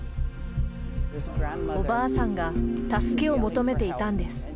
おばあさんが助けを求めていたんです。